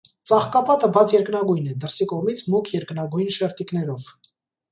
Ծաղկապատը բաց երկնագույն է՝ դրսի կողմից մուգ երկնագույն շերտիկներով։